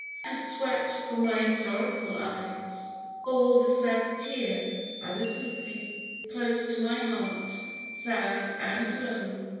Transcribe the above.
And swept from my sorrowful eyes All the sad tears I was weeping, Close to my heart sad and lone.